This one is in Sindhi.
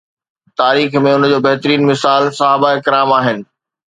تاريخ ۾ ان جو بهترين مثال صحابه ڪرام آهن.